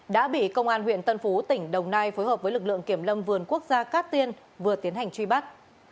đã bị công an huyện tân phú tỉnh đồng nai phối hợp với lực lượng kiểm lâm vườn quốc gia cát tiên vừa tiến hành truy bắt